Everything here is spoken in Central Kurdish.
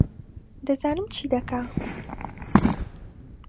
دەزانم چی دەکا